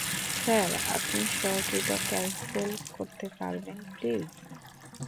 Sir, আপনি সর্টিটা cancel করতে পারবেন, প্লিজ?